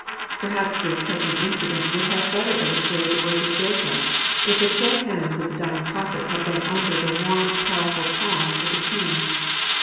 Perhaps this touching incident would have better illus trated the words of Jacob, if the chill hands of the dying prophet had been under the warm powerful palms of the " JPelktasbip/' 167 king.